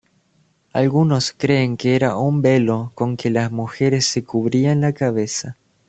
Algunos creen que era un velo con que las mujeres se cubrían la cabeza.